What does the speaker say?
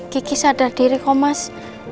kiki sadar diri kok mas